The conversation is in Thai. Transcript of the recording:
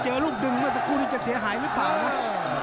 เจอลูกดึงเมื่อสักครู่นี้จะเสียหายหรือเปล่านะ